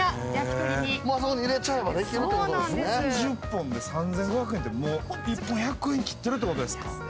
４０本で３，５００円ってもう１本１００円切ってるってことですか？